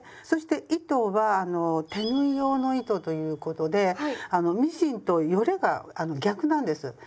そして糸は手縫い用の糸ということであのミシンと撚れが逆なんです。